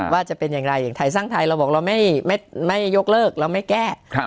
ว่าจะเป็นอย่างไรอย่างไทยสร้างไทยเราบอกเราไม่ยกเลิกเราไม่แก้